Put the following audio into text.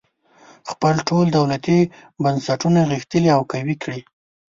خپل ټول دولتي بنسټونه غښتلي او قوي کړي.